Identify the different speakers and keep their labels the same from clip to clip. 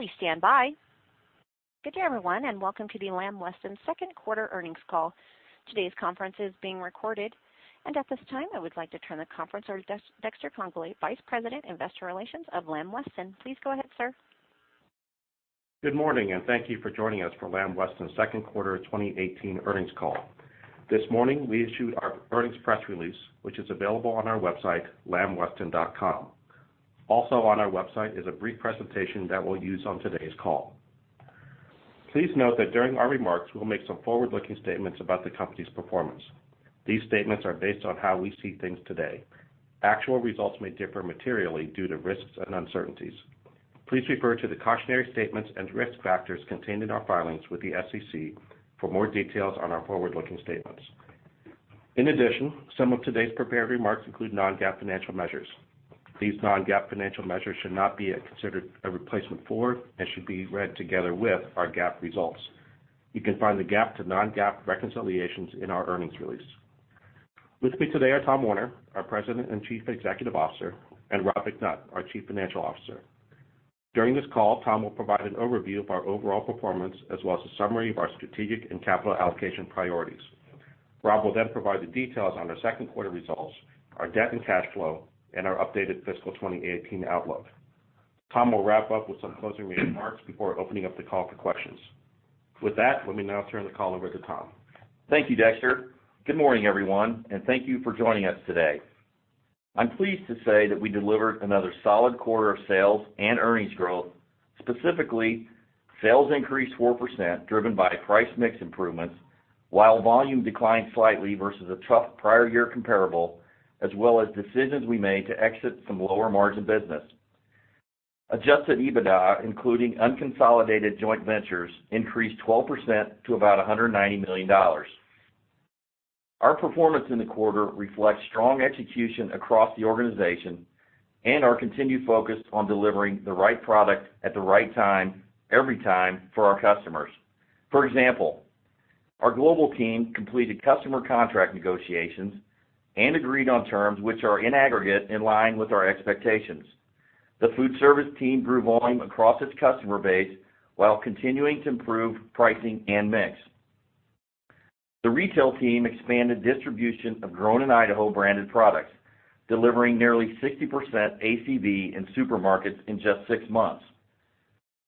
Speaker 1: Please stand by. Good day, everyone, and welcome to the Lamb Weston second quarter earnings call. Today's conference is being recorded. At this time, I would like to turn the conference over to Dexter Congbalay, Vice President, Investor Relations of Lamb Weston. Please go ahead, sir.
Speaker 2: Good morning, and thank you for joining us for Lamb Weston's second quarter 2018 earnings call. This morning, we issued our earnings press release, which is available on our website, lambweston.com. Also on our website is a brief presentation that we'll use on today's call. Please note that during our remarks, we'll make some forward-looking statements about the company's performance. These statements are based on how we see things today. Actual results may differ materially due to risks and uncertainties. Please refer to the cautionary statements and risk factors contained in our filings with the SEC for more details on our forward-looking statements. In addition, some of today's prepared remarks include non-GAAP financial measures. These non-GAAP financial measures should not be considered a replacement for and should be read together with our GAAP results. You can find the GAAP to non-GAAP reconciliations in our earnings release. With me today are Tom Werner, our President and Chief Executive Officer, and Robert McNutt, our Chief Financial Officer. During this call, Tom will provide an overview of our overall performance as well as a summary of our strategic and capital allocation priorities. Rob will provide the details on our second quarter results, our debt and cash flow, and our updated fiscal 2018 outlook. Tom will wrap up with some closing remarks before opening up the call for questions. With that, let me now turn the call over to Tom.
Speaker 3: Thank you, Dexter. Good morning, everyone, and thank you for joining us today. I'm pleased to say that we delivered another solid quarter of sales and earnings growth, specifically, sales increased 4%, driven by price mix improvements, while volume declined slightly versus a tough prior year comparable, as well as decisions we made to exit some lower margin business. Adjusted EBITDA, including unconsolidated joint ventures, increased 12% to about $190 million. Our performance in the quarter reflects strong execution across the organization and our continued focus on delivering the right product at the right time every time for our customers. For example, our global team completed customer contract negotiations and agreed on terms which are in aggregate in line with our expectations. The food service team grew volume across its customer base while continuing to improve pricing and mix. The retail team expanded distribution of Grown in Idaho branded products, delivering nearly 60% ACV in supermarkets in just six months.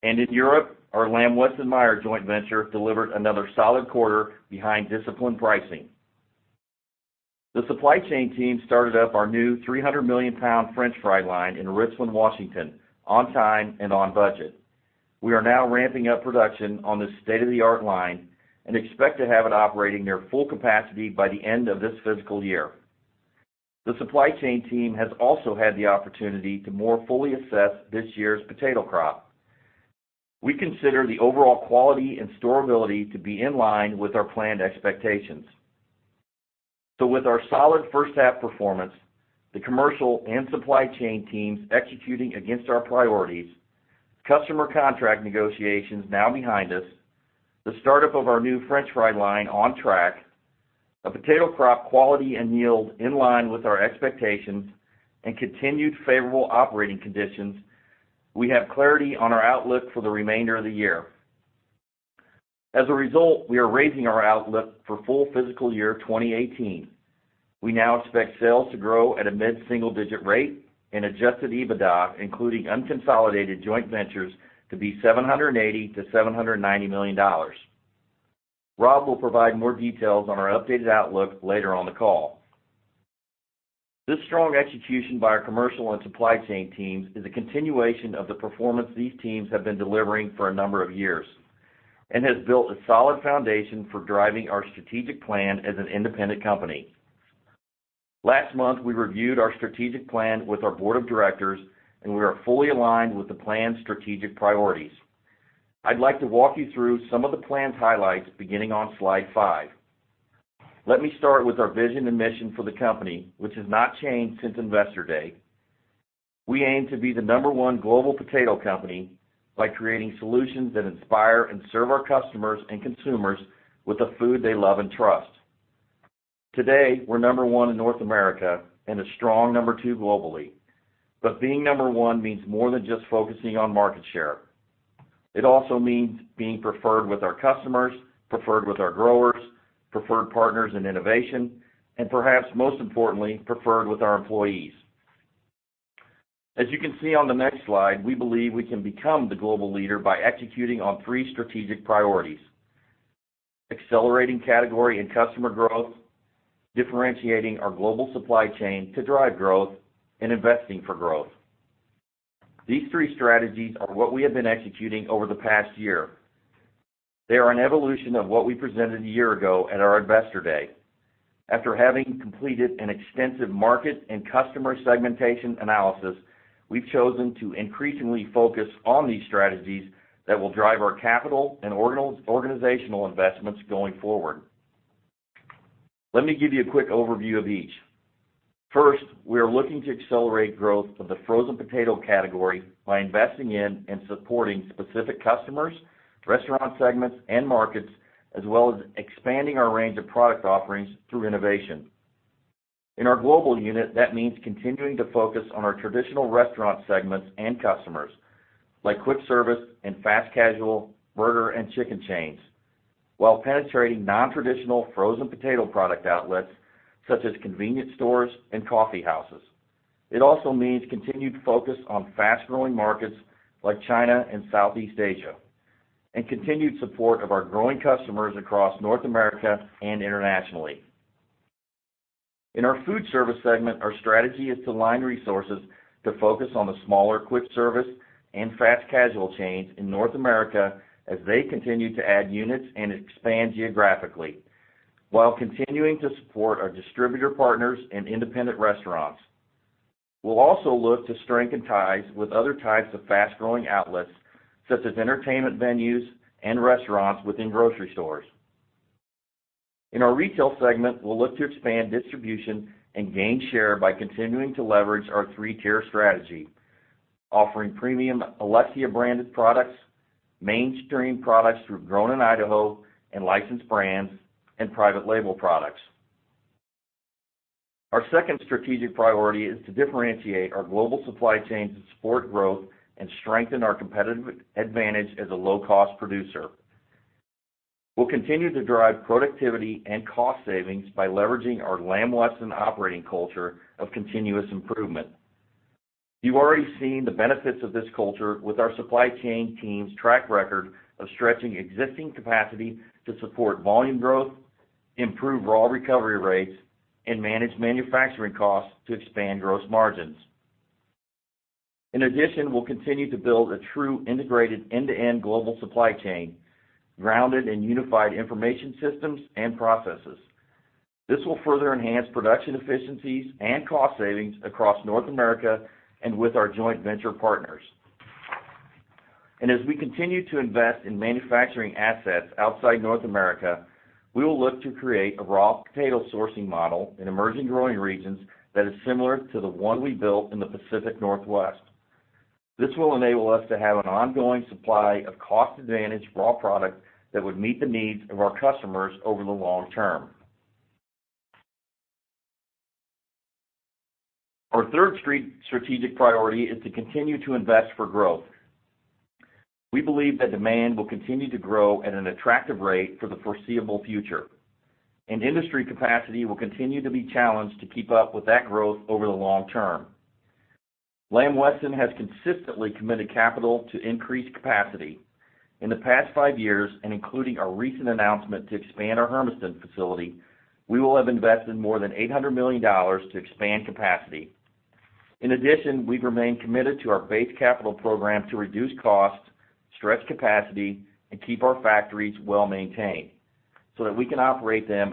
Speaker 3: In Europe, our Lamb-Weston/Meijer joint venture delivered another solid quarter behind disciplined pricing. The supply chain team started up our new 300 million pound French fry line in Richland, Washington, on time and on budget. We are now ramping up production on this state-of-the-art line and expect to have it operating near full capacity by the end of this fiscal year. The supply chain team has also had the opportunity to more fully assess this year's potato crop. We consider the overall quality and storability to be in line with our planned expectations. With our solid first half performance, the commercial and supply chain teams executing against our priorities, customer contract negotiations now behind us, the startup of our new French fry line on track, a potato crop quality and yield in line with our expectations, and continued favorable operating conditions, we have clarity on our outlook for the remainder of the year. As a result, we are raising our outlook for full fiscal year 2018. We now expect sales to grow at a mid-single-digit rate and adjusted EBITDA, including unconsolidated joint ventures, to be $780 million to $790 million. Rob will provide more details on our updated outlook later on the call. This strong execution by our commercial and supply chain teams is a continuation of the performance these teams have been delivering for a number of years and has built a solid foundation for driving our strategic plan as an independent company. Last month, we reviewed our strategic plan with our board of directors, and we are fully aligned with the plan's strategic priorities. I'd like to walk you through some of the plan's highlights, beginning on slide five. Let me start with our vision and mission for the company, which has not changed since Investor Day. We aim to be the number one global potato company by creating solutions that inspire and serve our customers and consumers with the food they love and trust. Today, we're number one in North America and a strong number two globally. Being number one means more than just focusing on market share. It also means being preferred with our customers, preferred with our growers, preferred partners in innovation, and perhaps most importantly, preferred with our employees. As you can see on the next slide, we believe we can become the global leader by executing on three strategic priorities. Accelerating category and customer growth, differentiating our global supply chain to drive growth, and investing for growth. These three strategies are what we have been executing over the past year. They are an evolution of what we presented a year ago at our Investor Day. After having completed an extensive market and customer segmentation analysis, we've chosen to increasingly focus on these strategies that will drive our capital and organizational investments going forward. Let me give you a quick overview of each. First, we are looking to accelerate growth of the frozen potato category by investing in and supporting specific customers, restaurant segments, and markets, as well as expanding our range of product offerings through innovation. In our global unit, that means continuing to focus on our traditional restaurant segments and customers, like quick service and fast casual burger and chicken chains, while penetrating non-traditional frozen potato product outlets, such as convenience stores and coffee houses. It also means continued focus on fast-growing markets like China and Southeast Asia, and continued support of our growing customers across North America and internationally. In our Food Service Segment, our strategy is to align resources to focus on the smaller quick service and fast casual chains in North America as they continue to add units and expand geographically while continuing to support our distributor partners and independent restaurants. We'll also look to strengthen ties with other types of fast-growing outlets, such as entertainment venues and restaurants within grocery stores. In our Retail Segment, we'll look to expand distribution and gain share by continuing to leverage our 3-tier strategy, offering premium Alexia branded products, mainstream products through Grown In Idaho and licensed brands, and private label products. Our second strategic priority is to differentiate our global supply chain to support growth and strengthen our competitive advantage as a low-cost producer. We'll continue to drive productivity and cost savings by leveraging our Lamb Weston operating culture of continuous improvement. You've already seen the benefits of this culture with our supply chain team's track record of stretching existing capacity to support volume growth, improve raw recovery rates, and manage manufacturing costs to expand gross margins. In addition, we'll continue to build a true integrated end-to-end global supply chain, grounded in unified information systems and processes. This will further enhance production efficiencies and cost savings across North America and with our joint venture partners. As we continue to invest in manufacturing assets outside North America, we will look to create a raw potato sourcing model in emerging growing regions that is similar to the one we built in the Pacific Northwest. This will enable us to have an ongoing supply of cost advantage raw product that would meet the needs of our customers over the long term. Our third strategic priority is to continue to invest for growth. We believe that demand will continue to grow at an attractive rate for the foreseeable future, and industry capacity will continue to be challenged to keep up with that growth over the long term. Lamb Weston has consistently committed capital to increase capacity. In the past five years, and including our recent announcement to expand our Hermiston facility, we will have invested more than $800 million to expand capacity. In addition, we've remained committed to our base capital program to reduce costs, stretch capacity, and keep our factories well-maintained so that we can operate them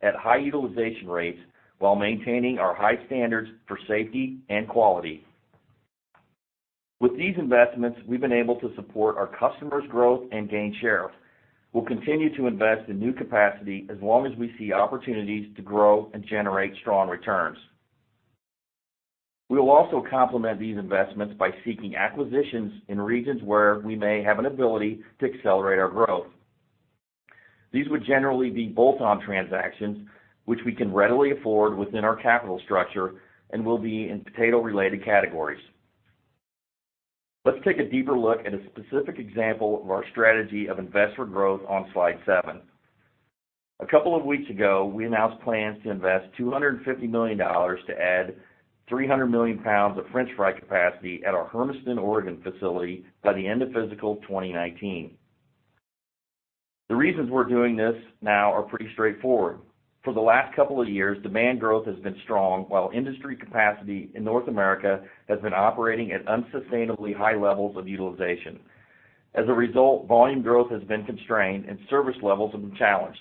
Speaker 3: at high utilization rates while maintaining our high standards for safety and quality. With these investments, we've been able to support our customers' growth and gain share. We'll continue to invest in new capacity as long as we see opportunities to grow and generate strong returns. We will also complement these investments by seeking acquisitions in regions where we may have an ability to accelerate our growth. These would generally be bolt-on transactions, which we can readily afford within our capital structure and will be in potato related categories. Let's take a deeper look at a specific example of our strategy of invest for growth on slide seven. A couple of weeks ago, we announced plans to invest $250 million to add 300 million pounds of French fry capacity at our Hermiston, Oregon facility by the end of fiscal 2019. The reasons we're doing this now are pretty straightforward. For the last couple of years, demand growth has been strong, while industry capacity in North America has been operating at unsustainably high levels of utilization. As a result, volume growth has been constrained and service levels have been challenged.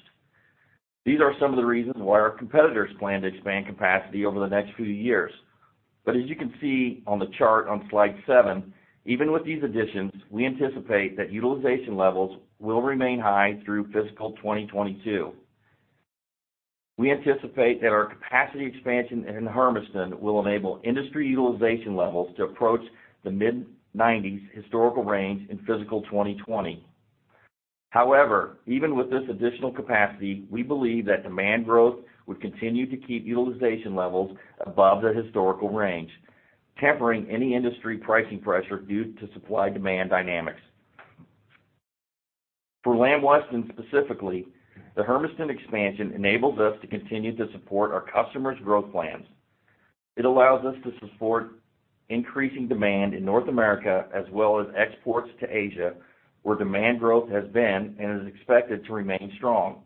Speaker 3: These are some of the reasons why our competitors plan to expand capacity over the next few years. As you can see on the chart on slide seven, even with these additions, we anticipate that utilization levels will remain high through fiscal 2022. We anticipate that our capacity expansion in Hermiston will enable industry utilization levels to approach the mid-90s historical range in fiscal 2020. However, even with this additional capacity, we believe that demand growth would continue to keep utilization levels above the historical range, tempering any industry pricing pressure due to supply-demand dynamics. For Lamb Weston specifically, the Hermiston expansion enables us to continue to support our customers' growth plans. It allows us to support increasing demand in North America as well as exports to Asia, where demand growth has been and is expected to remain strong.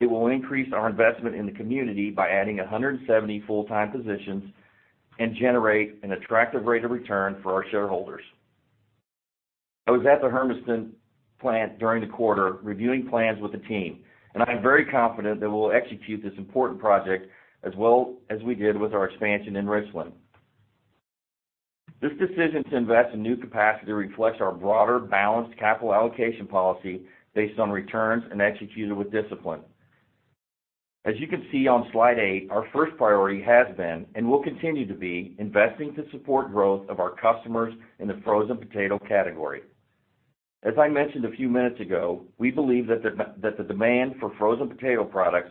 Speaker 3: It will increase our investment in the community by adding 170 full-time positions and generate an attractive rate of return for our shareholders. I was at the Hermiston plant during the quarter reviewing plans with the team, I am very confident that we'll execute this important project as well as we did with our expansion in Richland. This decision to invest in new capacity reflects our broader balanced capital allocation policy based on returns and executed with discipline. As you can see on slide eight, our first priority has been, and will continue to be, investing to support growth of our customers in the frozen potato category. As I mentioned a few minutes ago, we believe that the demand for frozen potato products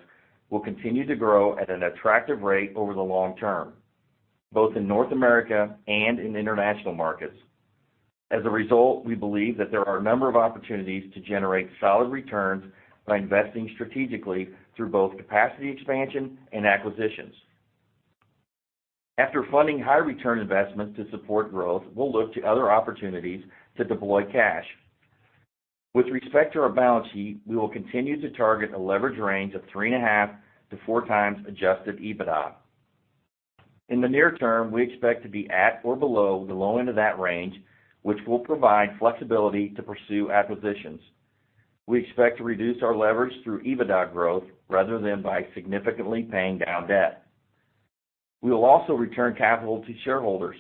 Speaker 3: will continue to grow at an attractive rate over the long term, both in North America and in international markets. As a result, we believe that there are a number of opportunities to generate solid returns by investing strategically through both capacity expansion and acquisitions. After funding high return investments to support growth, we'll look to other opportunities to deploy cash. With respect to our balance sheet, we will continue to target a leverage range of 3.5x-4x adjusted EBITDA. In the near term, we expect to be at or below the low end of that range, which will provide flexibility to pursue acquisitions. We expect to reduce our leverage through EBITDA growth rather than by significantly paying down debt. We will also return capital to shareholders.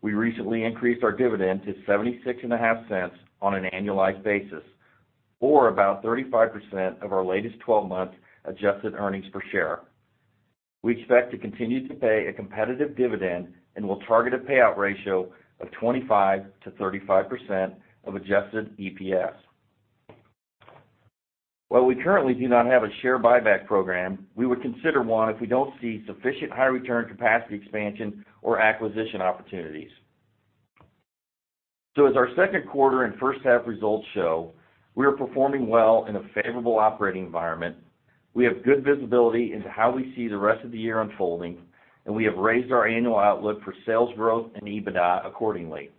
Speaker 3: We recently increased our dividend to $0.765 on an annualized basis, or about 35% of our latest 12 months adjusted earnings per share. We expect to continue to pay a competitive dividend, and we'll target a payout ratio of 25%-35% of adjusted EPS. While we currently do not have a share buyback program, we would consider one if we don't see sufficient high return capacity expansion or acquisition opportunities. As our second quarter and first half results show, we are performing well in a favorable operating environment. We have good visibility into how we see the rest of the year unfolding, and we have raised our annual outlook for sales growth and EBITDA accordingly.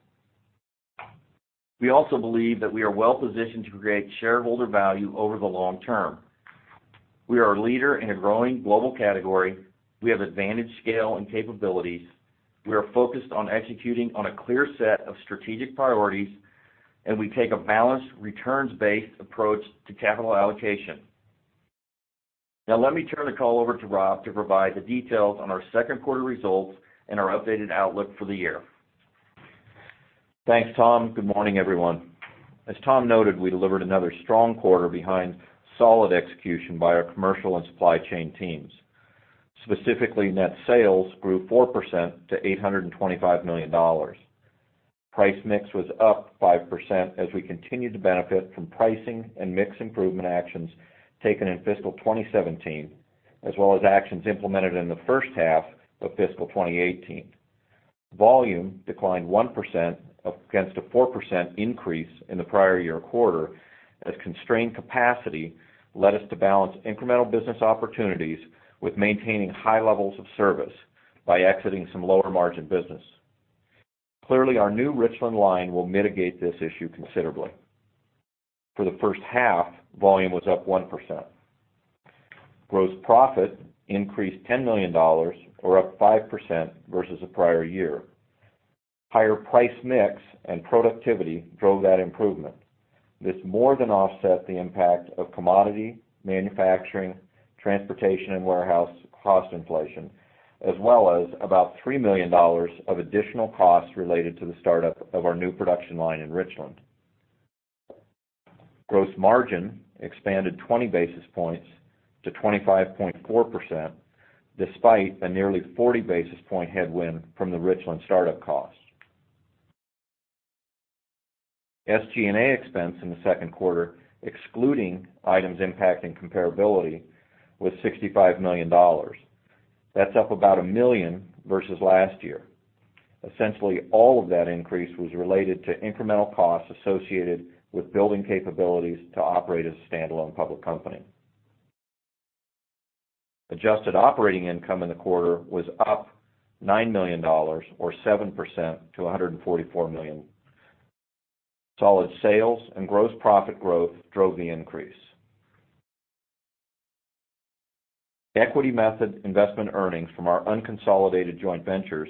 Speaker 3: We also believe that we are well positioned to create shareholder value over the long term. We are a leader in a growing global category. We have advantage, scale, and capabilities. We are focused on executing on a clear set of strategic priorities, and we take a balanced, returns-based approach to capital allocation. Now, let me turn the call over to Rob to provide the details on our second quarter results and our updated outlook for the year.
Speaker 4: Thanks, Tom. Good morning, everyone. As Tom noted, we delivered another strong quarter behind solid execution by our commercial and supply chain teams. Specifically, net sales grew 4% to $825 million. Price mix was up 5% as we continue to benefit from pricing and mix improvement actions taken in fiscal 2017, as well as actions implemented in the first half of fiscal 2018. Volume declined 1% against a 4% increase in the prior year quarter, as constrained capacity led us to balance incremental business opportunities with maintaining high levels of service by exiting some lower margin business. Clearly, our new Richland line will mitigate this issue considerably. For the first half, volume was up 1%. Gross profit increased $10 million or up 5% versus the prior year. Higher price mix and productivity drove that improvement. This more than offset the impact of commodity, manufacturing, transportation, and warehouse cost inflation, as well as about $3 million of additional costs related to the startup of our new production line in Richland. Gross margin expanded 20 basis points to 25.4%, despite a nearly 40 basis point headwind from the Richland startup cost. SG&A expense in the second quarter, excluding items impacting comparability, was $65 million. That's up about $1 million versus last year. Essentially, all of that increase was related to incremental costs associated with building capabilities to operate as a standalone public company. Adjusted operating income in the quarter was up $9 million or 7% to $144 million. Solid sales and gross profit growth drove the increase. Equity method investment earnings from our unconsolidated joint ventures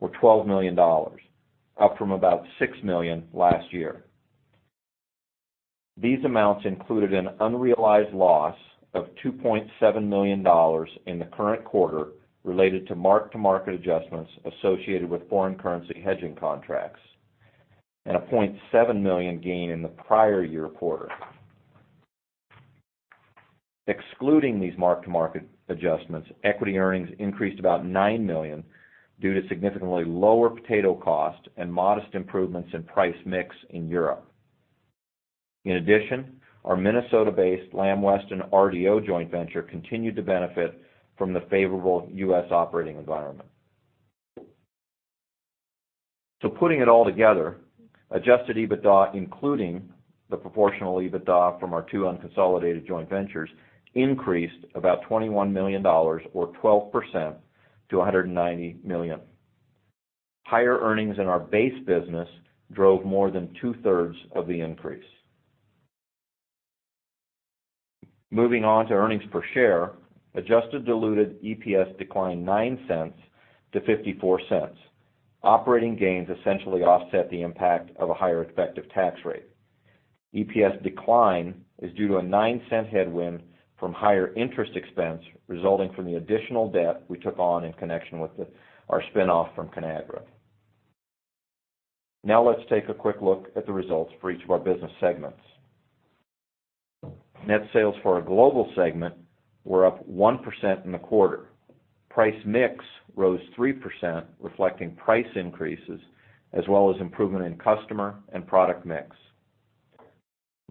Speaker 4: were $12 million, up from about $6 million last year. These amounts included an unrealized loss of $2.7 million in the current quarter related to mark-to-market adjustments associated with foreign currency hedging contracts, and a $0.7 million gain in the prior year quarter. Excluding these mark-to-market adjustments, equity earnings increased about $9 million due to significantly lower potato cost and modest improvements in price mix in Europe. In addition, our Minnesota-based Lamb Weston RDO joint venture continued to benefit from the favorable U.S. operating environment. Putting it all together, adjusted EBITDA, including the proportional EBITDA from our two unconsolidated joint ventures, increased about $21 million or 12% to $190 million. Higher earnings in our base business drove more than two-thirds of the increase. Moving on to earnings per share, adjusted diluted EPS declined $0.09 to $0.54. Operating gains essentially offset the impact of a higher effective tax rate. EPS decline is due to a $0.09 headwind from higher interest expense resulting from the additional debt we took on in connection with our spinoff from Conagra. Let's take a quick look at the results for each of our business segments. Net sales for our global segment were up 1% in the quarter. Price mix rose 3%, reflecting price increases as well as improvement in customer and product mix.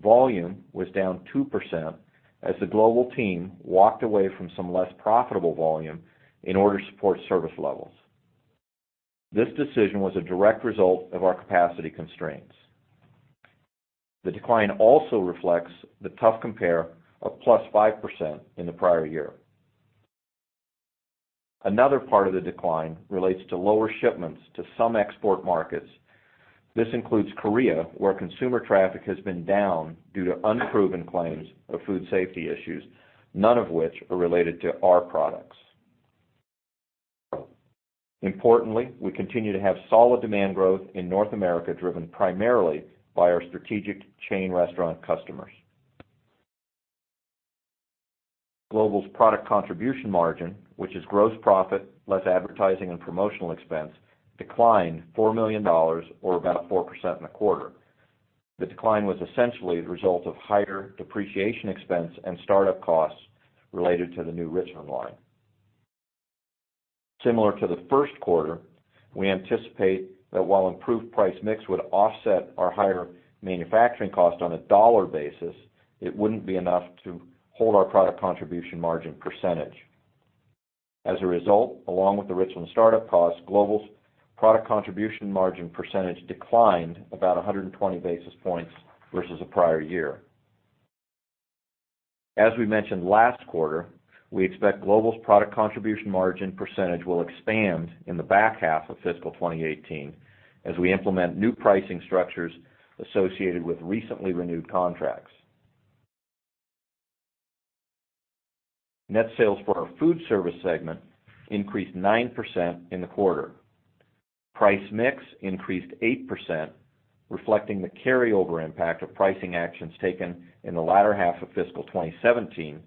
Speaker 4: Volume was down 2% as the global team walked away from some less profitable volume in order to support service levels. This decision was a direct result of our capacity constraints. The decline also reflects the tough compare of +5% in the prior year. Another part of the decline relates to lower shipments to some export markets. This includes Korea, where consumer traffic has been down due to unproven claims of food safety issues, none of which are related to our products. Importantly, we continue to have solid demand growth in North America, driven primarily by our strategic chain restaurant customers. Global's product contribution margin, which is gross profit less advertising and promotional expense, declined $4 million, or about 4% in the quarter. The decline was essentially the result of higher depreciation expense and start-up costs related to the new Richland line. Similar to the first quarter, we anticipate that while improved price mix would offset our higher manufacturing cost on a dollar basis, it wouldn't be enough to hold our product contribution margin percentage. As a result, along with the Richland start-up costs, global's product contribution margin percentage declined about 120 basis points versus the prior year. As we mentioned last quarter, we expect global's product contribution margin percentage will expand in the back half of fiscal 2018 as we implement new pricing structures associated with recently renewed contracts. Net sales for our food service segment increased 9% in the quarter. Price mix increased 8%, reflecting the carryover impact of pricing actions taken in the latter half of fiscal 2017,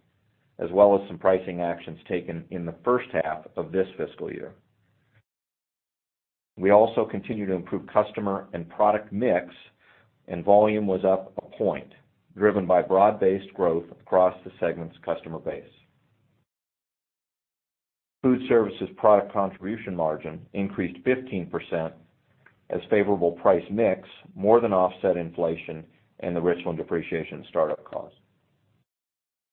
Speaker 4: as well as some pricing actions taken in the first half of this fiscal year. We also continue to improve customer and product mix, and volume was up 1 point, driven by broad-based growth across the segment's customer base. Food services product contribution margin increased 15% as favorable price mix more than offset inflation and the Richland depreciation start-up cost.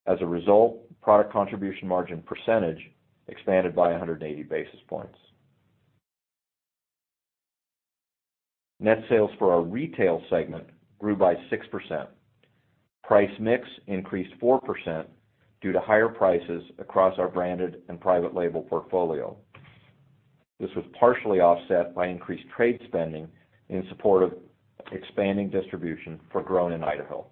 Speaker 4: As a result, product contribution margin percentage expanded by 180 basis points. Net sales for our retail segment grew by 6%. Price mix increased 4% due to higher prices across our branded and private label portfolio. This was partially offset by increased trade spending in support of expanding distribution for Grown In Idaho.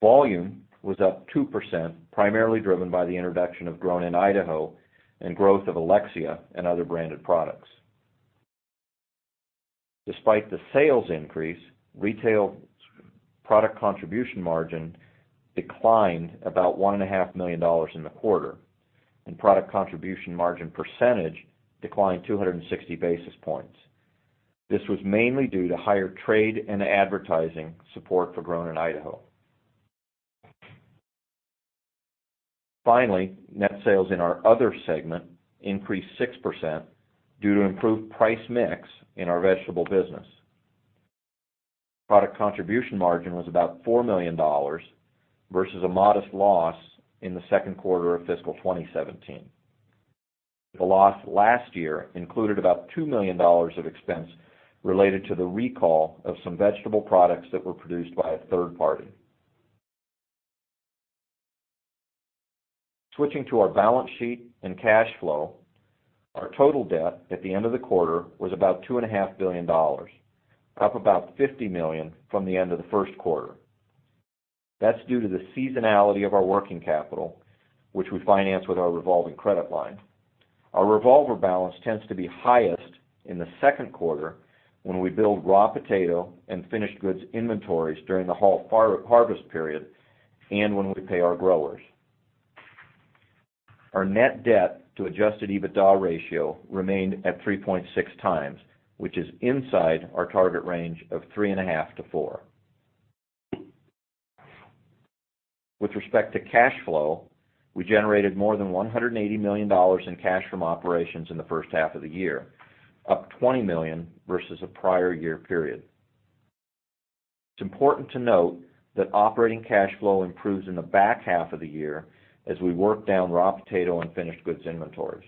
Speaker 4: Volume was up 2%, primarily driven by the introduction of Grown In Idaho and growth of Alexia and other branded products. Despite the sales increase, retail product contribution margin declined about $1.5 million in the quarter, and product contribution margin percentage declined 260 basis points. This was mainly due to higher trade and advertising support for Grown In Idaho. Finally, net sales in our other segment increased 6% due to improved price mix in our vegetable business. Product contribution margin was about $4 million versus a modest loss in the second quarter of fiscal 2017. The loss last year included about $2 million of expense related to the recall of some vegetable products that were produced by a third party. Switching to our balance sheet and cash flow, our total debt at the end of the quarter was about $2.5 billion, up about $50 million from the end of the first quarter. That's due to the seasonality of our working capital, which we finance with our revolving credit line. Our revolver balance tends to be highest in the second quarter when we build raw potato and finished goods inventories during the harvest period and when we pay our growers. Our net debt to adjusted EBITDA ratio remained at 3.6 times, which is inside our target range of 3.5 to 4. With respect to cash flow, we generated more than $180 million in cash from operations in the first half of the year, up $20 million versus the prior year period. It's important to note that operating cash flow improves in the back half of the year as we work down raw potato and finished goods inventories.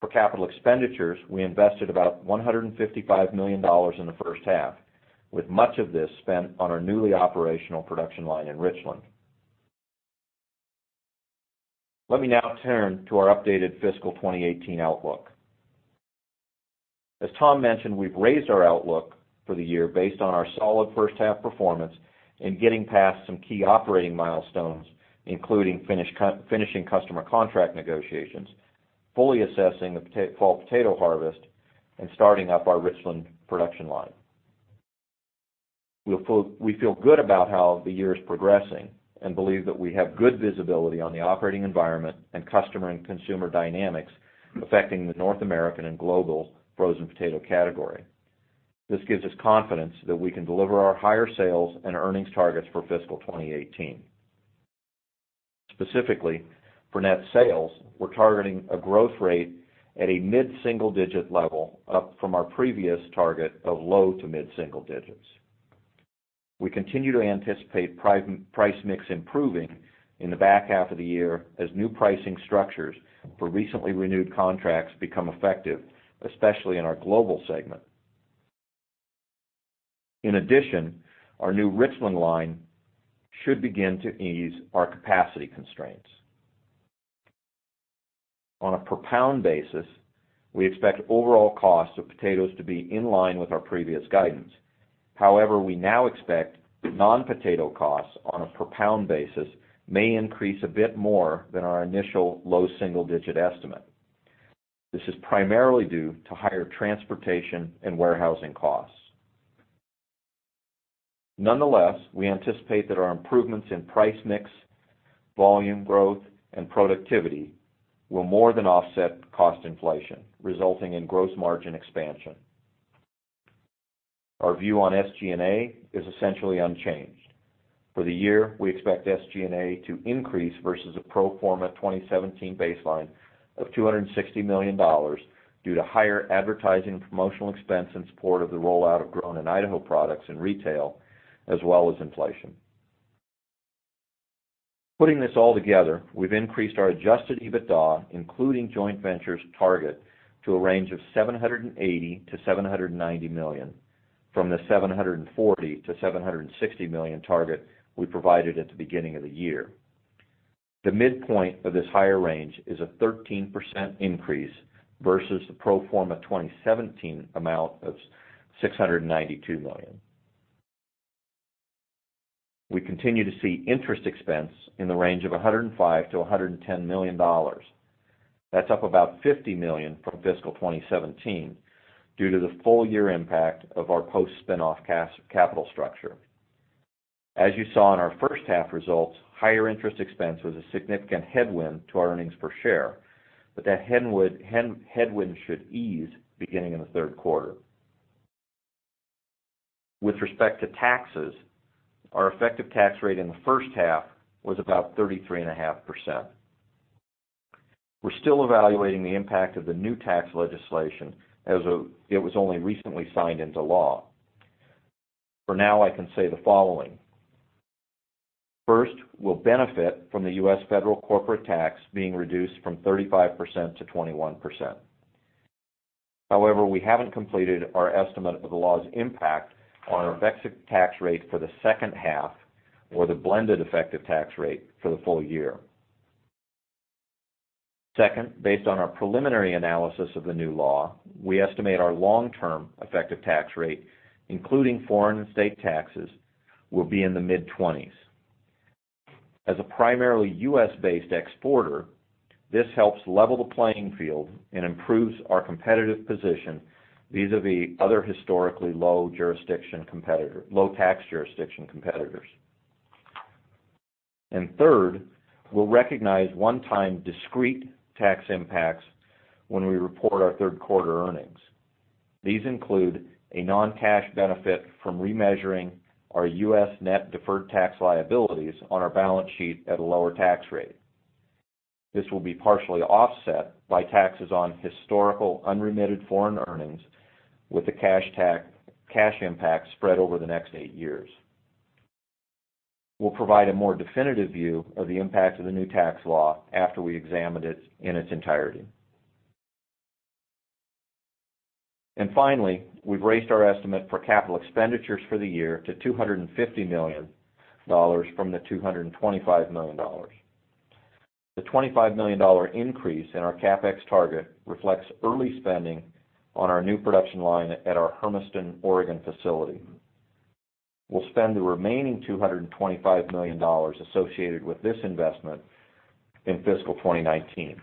Speaker 4: For capital expenditures, we invested about $155 million in the first half, with much of this spent on our newly operational production line in Richland. Let me now turn to our updated fiscal 2018 outlook. As Tom mentioned, we've raised our outlook for the year based on our solid first half performance and getting past some key operating milestones, including finishing customer contract negotiations, fully assessing the fall potato harvest, and starting up our Richland production line. We feel good about how the year is progressing and believe that we have good visibility on the operating environment and customer and consumer dynamics affecting the North American and global frozen potato category. This gives us confidence that we can deliver our higher sales and earnings targets for fiscal 2018. Specifically for net sales, we're targeting a growth rate at a mid-single-digit level, up from our previous target of low to mid-single digits. In addition, our new Richland line should begin to ease our capacity constraints. On a per-pound basis, we expect overall costs of potatoes to be in line with our previous guidance. However, we now expect that non-potato costs on a per-pound basis may increase a bit more than our initial low single-digit estimate. This is primarily due to higher transportation and warehousing costs. Nonetheless, we anticipate that our improvements in price mix, volume growth, and productivity will more than offset cost inflation, resulting in gross margin expansion. Our view on SG&A is essentially unchanged. For the year, we expect SG&A to increase versus a pro forma 2017 baseline of $260 million due to higher advertising and promotional expense in support of the rollout of Grown In Idaho products and retail, as well as inflation. Putting this all together, we've increased our adjusted EBITDA, including joint ventures target to a range of $780 million-$790 million from the $740 million-$760 million target we provided at the beginning of the year. The midpoint of this higher range is a 13% increase versus the pro forma 2017 amount of $692 million. We continue to see interest expense in the range of $105 million-$110 million. That's up about $50 million from fiscal 2017 due to the full year impact of our post-spin-off capital structure. As you saw in our first half results, higher interest expense was a significant headwind to our earnings per share. That headwind should ease beginning in the third quarter. With respect to taxes, our effective tax rate in the first half was about 33.5%. We're still evaluating the impact of the new tax legislation as it was only recently signed into law. For now, I can say the following. First, we'll benefit from the U.S. federal corporate tax being reduced from 35%-21%. We haven't completed our estimate of the law's impact on our effective tax rate for the second half or the blended effective tax rate for the full year. Second, based on our preliminary analysis of the new law, we estimate our long-term effective tax rate, including foreign and state taxes, will be in the mid-20s. As a primarily U.S.-based exporter, this helps level the playing field and improves our competitive position vis-a-vis other historically low tax jurisdiction competitors. Third, we'll recognize one-time discrete tax impacts when we report our third quarter earnings. These include a non-cash benefit from remeasuring our U.S. net deferred tax liabilities on our balance sheet at a lower tax rate. This will be partially offset by taxes on historical unremitted foreign earnings with the cash impact spread over the next eight years. We'll provide a more definitive view of the impact of the new tax law after we examined it in its entirety. Finally, we've raised our estimate for capital expenditures for the year to $250 million from the $225 million. The $25 million increase in our CapEx target reflects early spending on our new production line at our Hermiston, Oregon facility. We'll spend the remaining $225 million associated with this investment in fiscal 2019.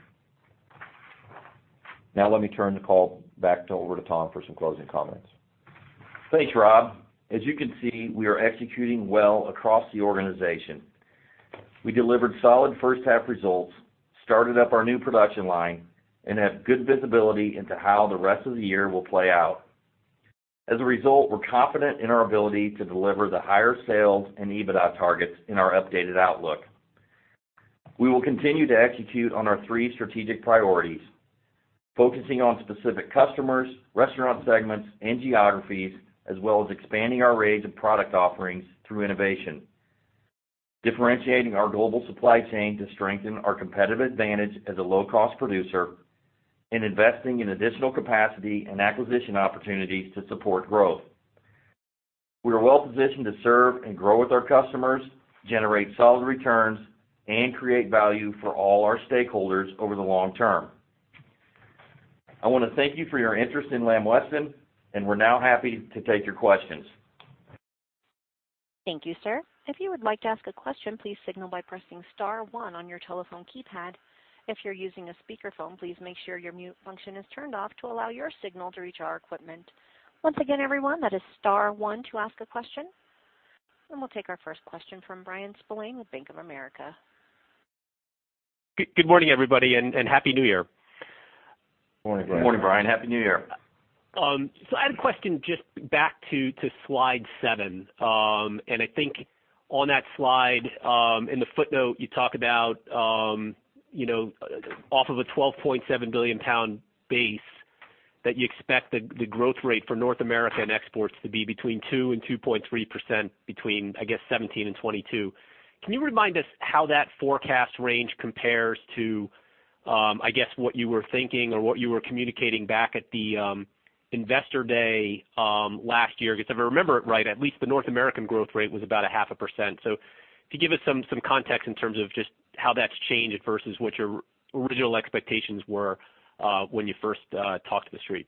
Speaker 4: Now let me turn the call back over to Tom for some closing comments.
Speaker 3: Thanks, Rob. As you can see, we are executing well across the organization. We delivered solid first half results, started up our new production line, and have good visibility into how the rest of the year will play out. As a result, we're confident in our ability to deliver the higher sales and EBITDA targets in our updated outlook. We will continue to execute on our three strategic priorities, focusing on specific customers, restaurant segments, and geographies, as well as expanding our range of product offerings through innovation, differentiating our global supply chain to strengthen our competitive advantage as a low-cost producer, and investing in additional capacity and acquisition opportunities to support growth. We are well positioned to serve and grow with our customers, generate solid returns, and create value for all our stakeholders over the long term. I want to thank you for your interest in Lamb Weston, and we're now happy to take your questions.
Speaker 1: Thank you, sir. If you would like to ask a question, please signal by pressing *1 on your telephone keypad. If you're using a speakerphone, please make sure your mute function is turned off to allow your signal to reach our equipment. Once again, everyone, that is *1 to ask a question. We'll take our first question from Bryan Spillane with Bank of America.
Speaker 5: Good morning, everybody, and Happy New Year.
Speaker 3: Morning, Bryan.
Speaker 4: Morning, Bryan. Happy New Year.
Speaker 5: I had a question just back to slide seven. I think on that slide, in the footnote, you talk about off of a 12.7 billion pound base that you expect the growth rate for North America and exports to be between 2% and 2.3% between, I guess, 2017 and 2022. Can you remind us how that forecast range compares to, I guess, what you were thinking or what you were communicating back at the investor day last year? If I remember it right, at least the North American growth rate was about 0.5%. If you give us some context in terms of just how that's changed versus what your original expectations were when you first talked to the street.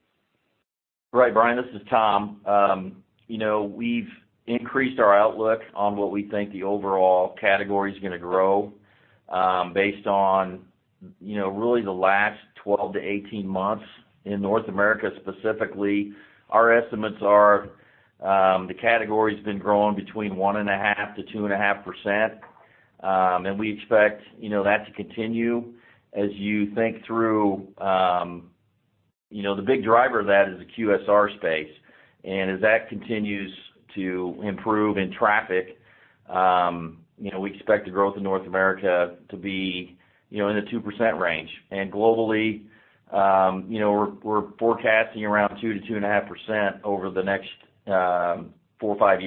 Speaker 3: Right, Bryan. This is Tom. We've increased our outlook on what we think the overall category's going to grow, based on really the last 12 to 18 months in North America specifically. Our estimates are the category's been growing between 1.5% to 2.5%, and we expect that to continue. As you think through, the big driver of that is the QSR space. As that continues to improve in traffic, we expect the growth in North America to be in the 2% range. Globally, we're forecasting around 2% to 2.5% over the next four or five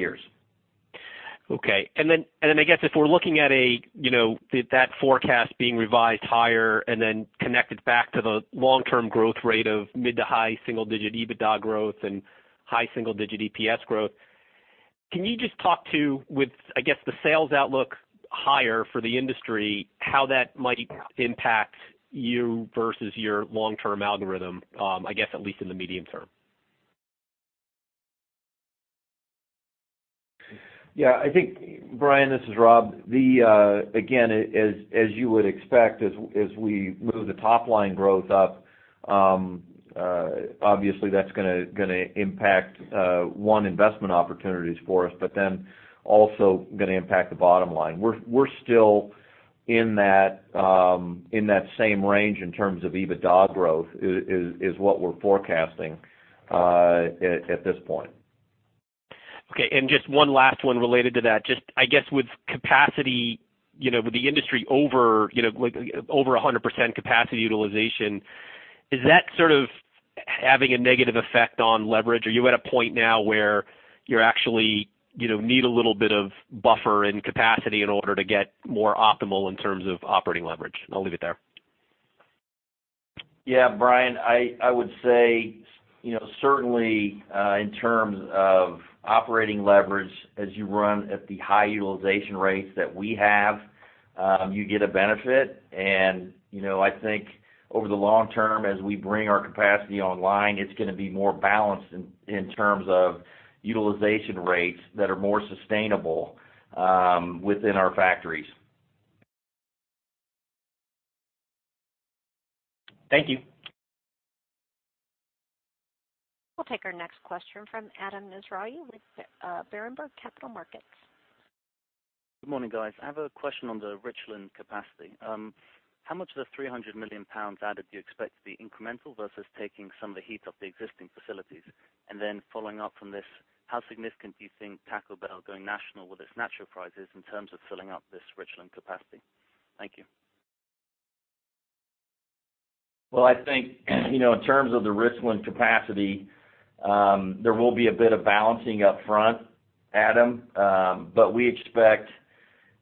Speaker 3: years.
Speaker 5: Okay. I guess if we're looking at that forecast being revised higher and then connected back to the long-term growth rate of mid to high single digit EBITDA growth and high single digit EPS growth, can you just talk to, with, I guess, the sales outlook higher for the industry, how that might impact you versus your long-term algorithm, I guess, at least in the medium term?
Speaker 4: I think, Bryan, this is Rob. As you would expect, as we move the top line growth up, obviously that's going to impact, one, investment opportunities for us, also going to impact the bottom line. We're still in that same range in terms of EBITDA growth, is what we're forecasting at this point.
Speaker 5: Just one last one related to that. I guess with capacity, with the industry over 100% capacity utilization, is that sort of having a negative effect on leverage? Are you at a point now where you actually need a little bit of buffer and capacity in order to get more optimal in terms of operating leverage? I'll leave it there.
Speaker 3: Bryan, I would say certainly, in terms of operating leverage, as you run at the high utilization rates that we have, you get a benefit. I think over the long term, as we bring our capacity online, it's going to be more balanced in terms of utilization rates that are more sustainable within our factories.
Speaker 5: Thank you.
Speaker 1: We'll take our next question from Adam Mizrahi with Berenberg Capital Markets.
Speaker 6: Good morning, guys. I have a question on the Richland capacity. How much of the 300 million pounds added do you expect to be incremental versus taking some of the heat off the existing facilities? Following up from this, how significant do you think Taco Bell going national with its Nacho Fries in terms of filling up this Richland capacity? Thank you.
Speaker 3: Well, I think, in terms of the Richland capacity, there will be a bit of balancing up front, Adam. We expect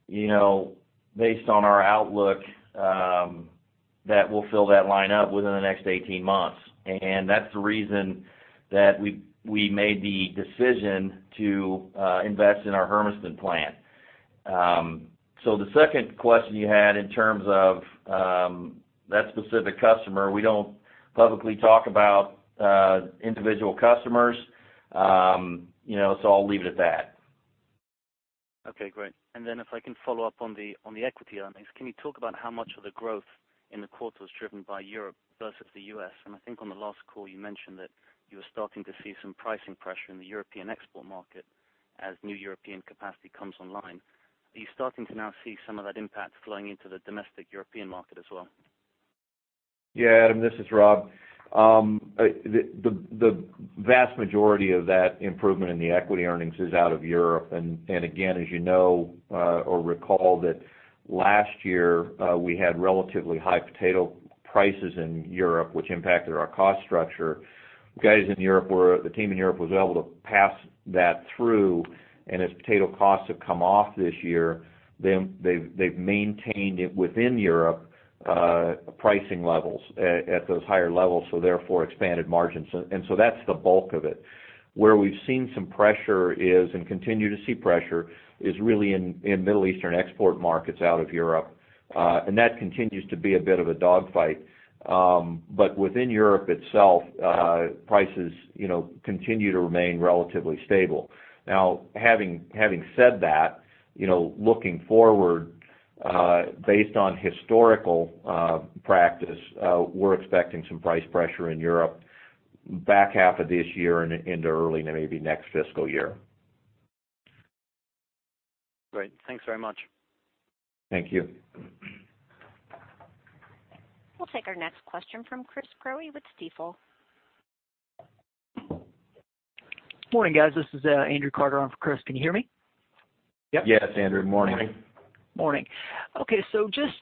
Speaker 3: based on our outlook, that we'll fill that line up within the next 18 months. That's the reason that we made the decision to invest in our Hermiston plant. The second question you had in terms of that specific customer, we don't publicly talk about individual customers. I'll leave it at that.
Speaker 6: Okay, great. If I can follow up on the equity earnings. Can you talk about how much of the growth in the quarter was driven by Europe versus the U.S.? I think on the last call, you mentioned that you were starting to see some pricing pressure in the European export market as new European capacity comes online. Are you starting to now see some of that impact flowing into the domestic European market as well?
Speaker 4: Adam, this is Rob. The vast majority of that improvement in the equity earnings is out of Europe. Again, as you know or recall that last year, we had relatively high potato prices in Europe, which impacted our cost structure. The team in Europe was able to pass that through, as potato costs have come off this year, they've maintained it within Europe, pricing levels at those higher levels, therefore expanded margins. That's the bulk of it. Where we've seen some pressure, and continue to see pressure, is really in Middle Eastern export markets out of Europe. That continues to be a bit of a dog fight. Within Europe itself, prices continue to remain relatively stable. Now, having said that, looking forward, based on historical practice, we're expecting some price pressure in Europe back half of this year and into early maybe next fiscal year.
Speaker 6: Great. Thanks very much.
Speaker 3: Thank you.
Speaker 1: We'll take our next question from Chris Crowley with Stifel.
Speaker 7: Morning, guys. This is Andrew Carter on for Chris. Can you hear me?
Speaker 3: Yes, Andrew. Morning.
Speaker 7: Morning. Morning. Okay. Just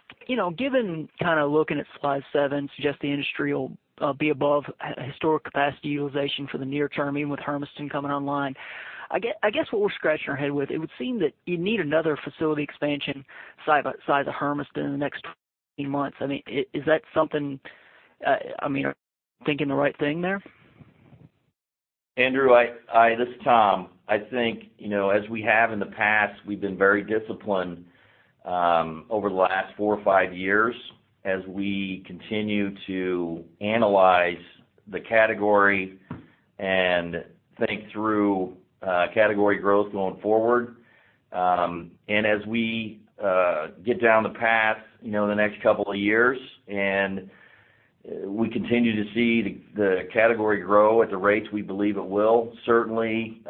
Speaker 7: given kind of looking at slide seven, suggest the industry will be above historic capacity utilization for the near term, even with Hermiston coming online. I guess what we're scratching our head with, it would seem that you'd need another facility expansion size of Hermiston in the next months. Am I thinking the right thing there?
Speaker 3: Andrew, this is Tom. I think, as we have in the past, we've been very disciplined over the last four or five years as we continue to analyze the category and think through category growth going forward. As we get down the path in the next couple of years, and we continue to see the category grow at the rates we believe it will, certainly,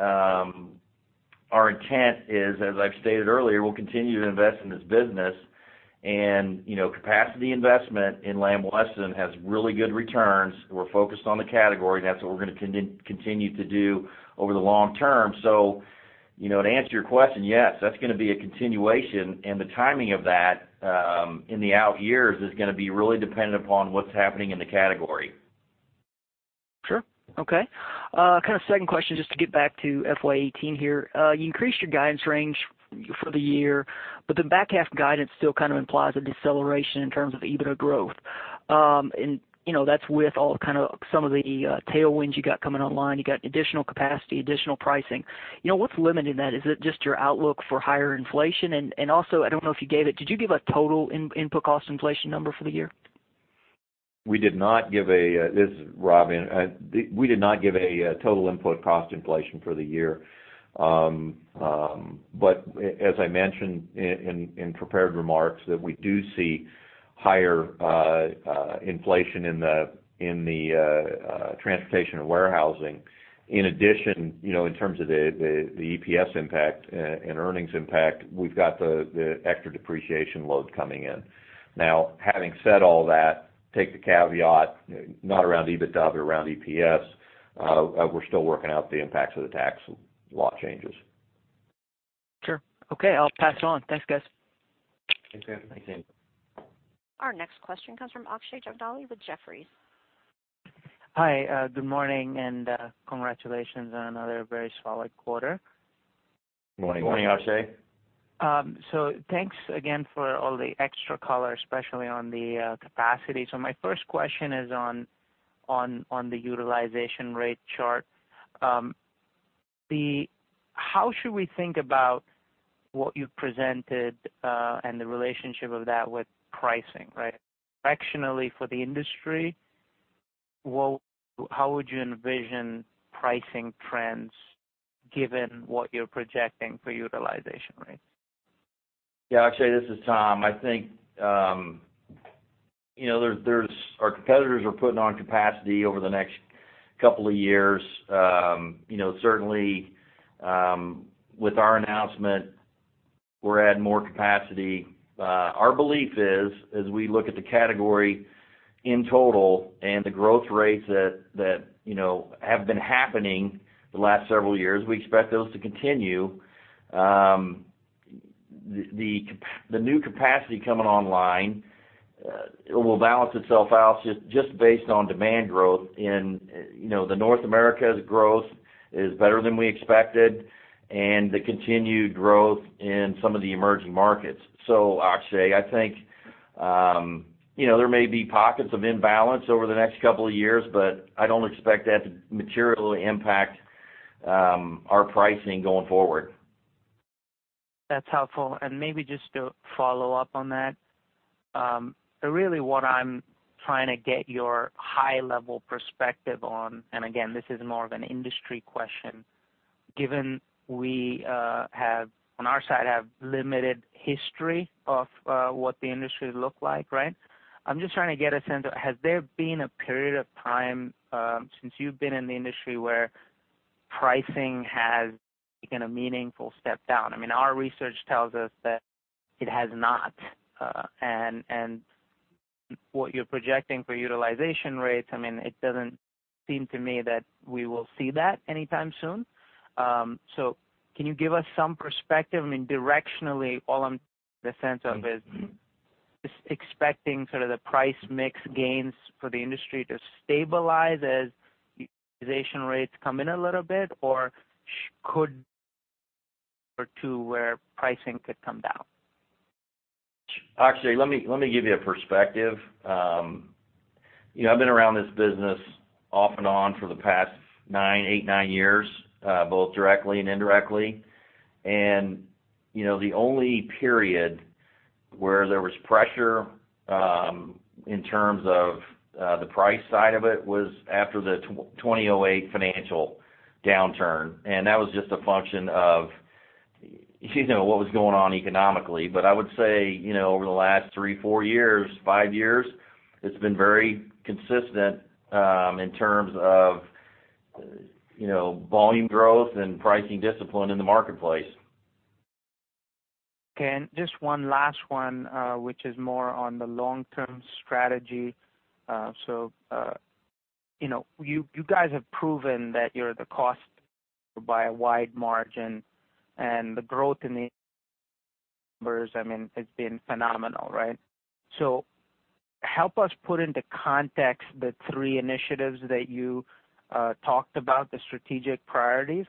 Speaker 3: our intent is, as I've stated earlier, we'll continue to invest in this business. Capacity investment in Lamb Weston has really good returns. We're focused on the category. That's what we're going to continue to do over the long term. To answer your question, yes, that's going to be a continuation, and the timing of that in the out years is going to be really dependent upon what's happening in the category.
Speaker 7: Sure. Okay. Kind of second question, just to get back to FY 2018 here. You increased your guidance range for the year, but the back half guidance still kind of implies a deceleration in terms of EBITDA growth. That's with some of the tailwinds you got coming online. You got additional capacity, additional pricing. What's limiting that? Is it just your outlook for higher inflation? Also, I don't know if you gave it, did you give a total input cost inflation number for the year?
Speaker 4: This is Rob. We did not give a total input cost inflation for the year. But as I mentioned in prepared remarks, that we do see higher inflation in the transportation and warehousing. In addition, in terms of the EPS impact and earnings impact, we've got the extra depreciation load coming in. Having said all that, take the caveat, not around EBITDA, but around EPS. We're still working out the impacts of the tax law changes.
Speaker 7: Sure. Okay, I'll pass it on. Thanks, guys.
Speaker 3: Thanks, Andrew.
Speaker 4: Thanks, Andrew.
Speaker 1: Our next question comes from Akshay Jagdale with Jefferies.
Speaker 8: Hi, good morning. Congratulations on another very solid quarter.
Speaker 3: Morning, Akshay.
Speaker 4: Morning.
Speaker 8: Thanks again for all the extra color, especially on the capacity. My first question is on the utilization rate chart. How should we think about what you presented and the relationship of that with pricing, right? Directionally for the industry, how would you envision pricing trends given what you're projecting for utilization rates?
Speaker 3: Yeah, Akshay, this is Tom. I think our competitors are putting on capacity over the next couple of years. Certainly, with our announcement, we'll add more capacity. Our belief is, as we look at the category in total and the growth rates that have been happening the last several years, we expect those to continue. The new capacity coming online will balance itself out just based on demand growth in North America's growth is better than we expected and the continued growth in some of the emerging markets. Akshay, I think there may be pockets of imbalance over the next couple of years, but I don't expect that to materially impact our pricing going forward.
Speaker 8: That's helpful. Maybe just to follow up on that, really what I'm trying to get your high-level perspective on, and again, this is more of an industry question, given we on our side have limited history of what the industry look like, right? I'm just trying to get a sense of, has there been a period of time since you've been in the industry where pricing has taken a meaningful step down? Our research tells us that it has not. What you're projecting for utilization rates, it doesn't seem to me that we will see that anytime soon. Can you give us some perspective? Directionally, all I'm the sense of is just expecting sort of the price mix gains for the industry to stabilize as utilization rates come in a little bit or could to where pricing could come down?
Speaker 3: Akshay, let me give you a perspective. I've been around this business off and on for the past eight, nine years, both directly and indirectly. The only period where there was pressure in terms of the price side of it was after the 2008 financial downturn. That was just a function of what was going on economically. I would say, over the last three, four years, five years, it's been very consistent in terms of volume growth and pricing discipline in the marketplace.
Speaker 8: Okay. Just one last one, which is more on the long-term strategy. You guys have proven that you're the cost by a wide margin, and the growth in the has been phenomenal, right? Help us put into context the three initiatives that you talked about, the strategic priorities.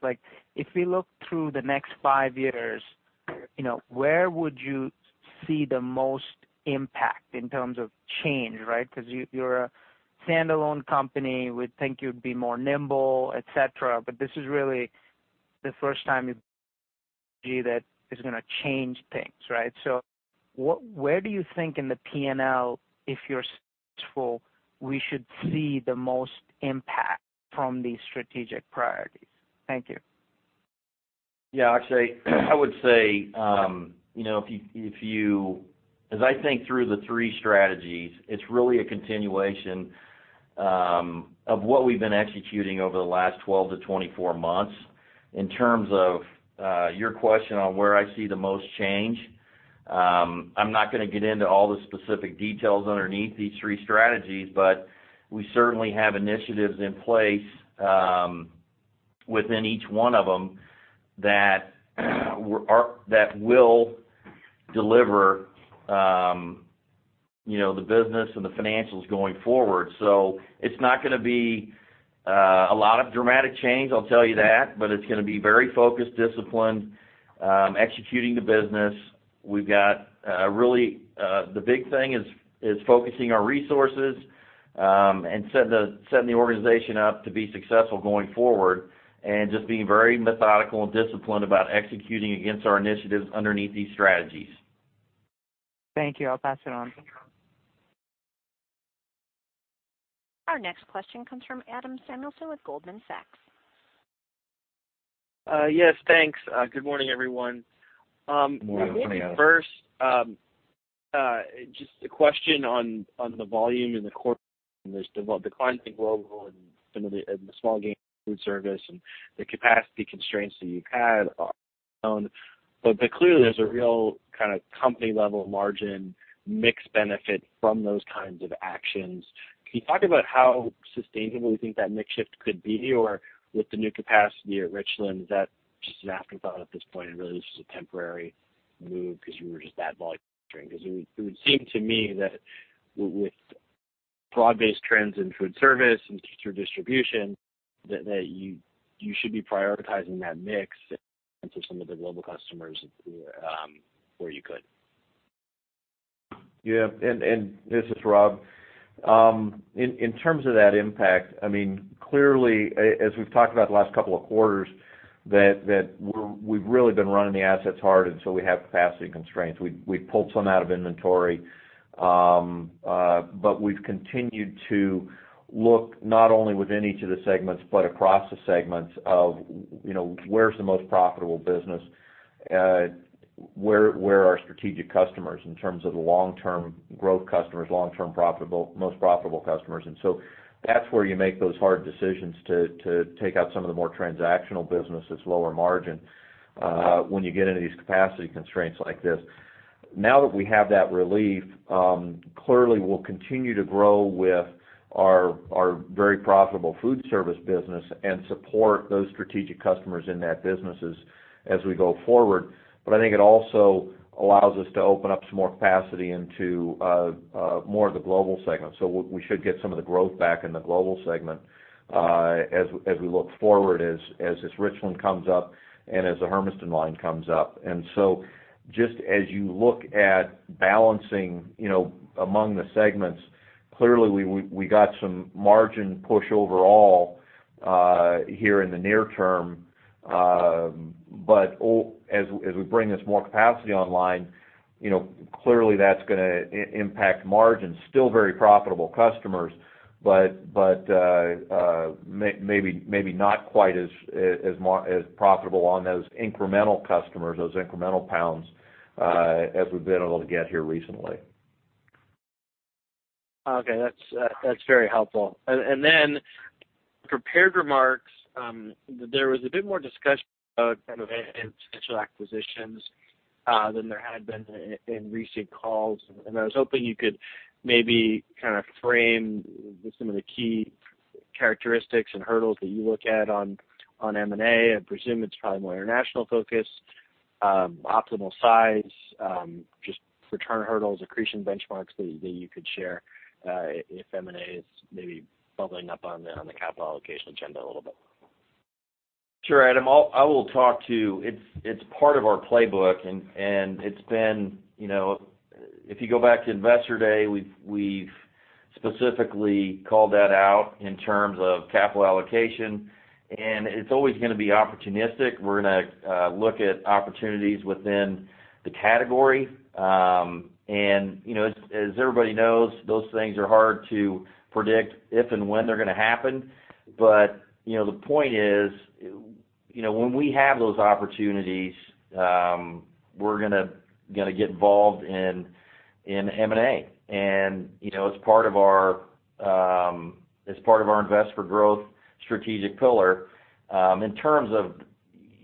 Speaker 8: If we look through the next five years, where would you see the most impact in terms of change, right? Because you're a standalone company, we'd think you'd be more nimble, et cetera, but this is really the first time that is going to change things, right? Where do you think in the P&L, if you're successful, we should see the most impact from these strategic priorities? Thank you.
Speaker 3: Yeah. Akshay, I would say, as I think through the three strategies, it's really a continuation of what we've been executing over the last 12 to 24 months. In terms of your question on where I see the most change, I'm not going to get into all the specific details underneath these three strategies, but we certainly have initiatives in place within each one of them that will deliver the business and the financials going forward. It's not going to be a lot of dramatic change, I'll tell you that, but it's going to be very focused, disciplined, executing the business. The big thing is focusing our resources, and setting the organization up to be successful going forward, and just being very methodical and disciplined about executing against our initiatives underneath these strategies.
Speaker 8: Thank you. I'll pass it on.
Speaker 1: Our next question comes from Adam Samuelson with Goldman Sachs.
Speaker 9: Yes, thanks. Good morning, everyone.
Speaker 3: Morning, Adam.
Speaker 9: Maybe first, just a question on the volume in the quarter, and there's declines in global and some of the small gains in food service and the capacity constraints that you've had are known. Clearly there's a real kind of company-level margin mix benefit from those kinds of actions. Can you talk about how sustainable you think that mix shift could be? With the new capacity at Richland, is that just an afterthought at this point and really this is a temporary move because you were just that volume constrained? It would seem to me that with broad-based trends in food service and future distribution, that you should be prioritizing that mix and for some of the global customers where you could.
Speaker 4: Yeah. This is Rob. In terms of that impact, clearly, as we've talked about the last 2 quarters, we've really been running the assets hard, so we have capacity constraints. We've pulled some out of inventory. We've continued to look not only within each of the segments but across the segments of where's the most profitable business, where are our strategic customers in terms of the long-term growth customers, long-term most profitable customers. That's where you make those hard decisions to take out some of the more transactional business that's lower margin when you get into these capacity constraints like this. Now that we have that relief, clearly, we'll continue to grow with our very profitable food service business and support those strategic customers in that businesses as we go forward.
Speaker 3: I think it also allows us to open up some more capacity into more of the global segment. We should get some of the growth back in the global segment as we look forward, as this Richland comes up and as the Hermiston line comes up. Just as you look at balancing among the segments, clearly, we got some margin push overall here in the near term. As we bring this more capacity online, clearly that's going to impact margins. Still very profitable customers, but maybe not quite as profitable on those incremental customers, those incremental pounds, as we've been able to get here recently.
Speaker 9: Okay. That's very helpful. Prepared remarks, there was a bit more discussion about kind of potential acquisitions than there had been in recent calls. I was hoping you could maybe kind of frame some of the key characteristics and hurdles that you look at on M&A. I presume it's probably more international focus, optimal size, just return hurdles, accretion benchmarks that you could share, if M&A is maybe bubbling up on the capital allocation agenda a little bit.
Speaker 3: Sure, Adam. I will talk to. It's part of our playbook. If you go back to Investor Day, we've specifically called that out in terms of capital allocation, and it's always going to be opportunistic. We're going to look at opportunities within the category. As everybody knows, those things are hard to predict if and when they're going to happen. The point is when we have those opportunities, we're going to get involved in M&A. It's part of our Invest for Growth strategic pillar. In terms of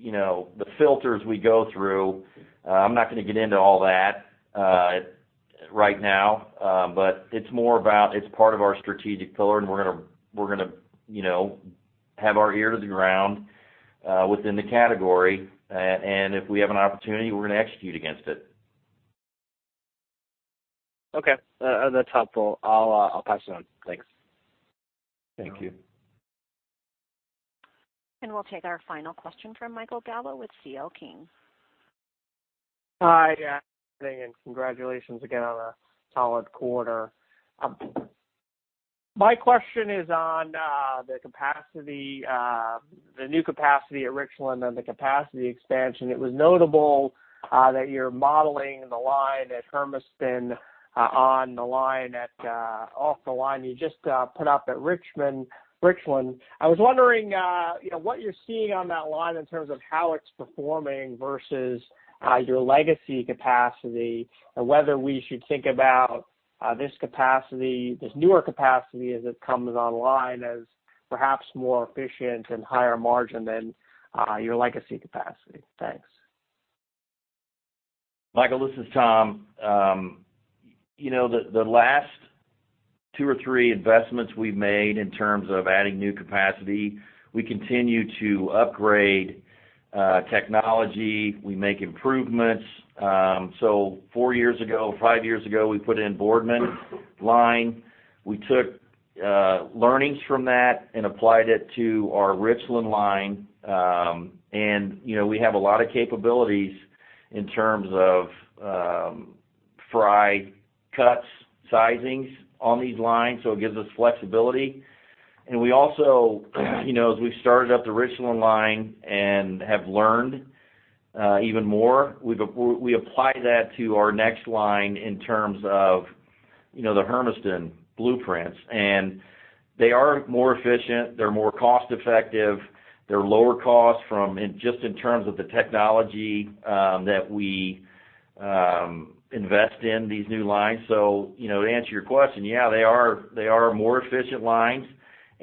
Speaker 3: the filters we go through, I'm not going to get into all that right now. It's more about, it's part of our strategic pillar, and we're going to have our ear to the ground within the category, and if we have an opportunity, we're going to execute against it.
Speaker 9: Okay. That's helpful. I'll pass it on. Thanks.
Speaker 2: Thank you.
Speaker 1: We'll take our final question from Michael Gallo with C.L. King.
Speaker 10: Hi, yeah. Congratulations again on a solid quarter. My question is on the new capacity at Richland and the capacity expansion. It was notable that you're modeling the line at Hermiston on the line at off the line you just put up at Richland. I was wondering what you're seeing on that line in terms of how it's performing versus your legacy capacity, and whether we should think about this newer capacity as it comes online as perhaps more efficient and higher margin than your legacy capacity. Thanks.
Speaker 3: Michael, this is Tom. The last two or three investments we've made in terms of adding new capacity, we continue to upgrade technology. We make improvements. Four years ago, five years ago, we put in Boardman line. We took learnings from that and applied it to our Richland line. We have a lot of capabilities in terms of fry cut sizes on these lines, so it gives us flexibility. We also, as we've started up the Richland line and have learned even more, we apply that to our next line in terms of the Hermiston blueprints, and they are more efficient. They're more cost-effective. They're lower cost just in terms of the technology that we invest in these new lines. To answer your question, yeah, they are more efficient lines,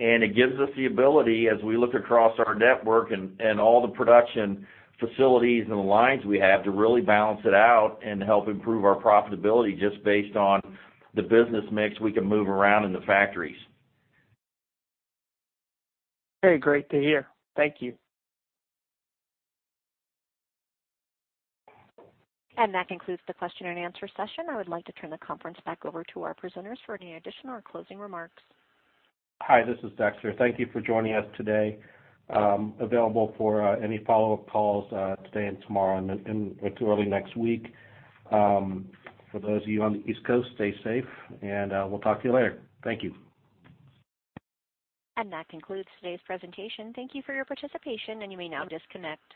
Speaker 3: and it gives us the ability as we look across our network and all the production facilities and the lines we have to really balance it out and help improve our profitability just based on the business mix we can move around in the factories.
Speaker 10: Very great to hear. Thank you.
Speaker 1: That concludes the question and answer session. I would like to turn the conference back over to our presenters for any additional or closing remarks.
Speaker 2: Hi, this is Dexter. Thank you for joining us today. Available for any follow-up calls today and tomorrow and into early next week. For those of you on the East Coast, stay safe, and we'll talk to you later. Thank you.
Speaker 1: That concludes today's presentation. Thank you for your participation, and you may now disconnect.